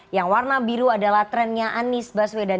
yang warna biru adalah trennya anies baswedan